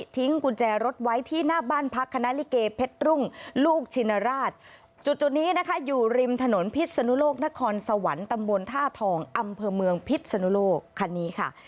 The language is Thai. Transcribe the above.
กุญแจรถไว้ที่หน้าบ้านพักคณะลิเกเพชรรุ่งลูกชินราชจุดนี้นะคะอยู่ริมถนนพิศนุโลกนครสวรรค์ตำบลท่าทองอำเภอเมืองพิษสนุโลกคันนี้ค่ะ